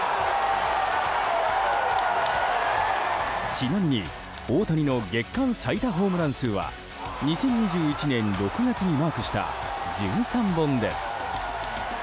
ちなみに大谷の月間最多ホームラン数は２０２１年６月にマークした１３本です。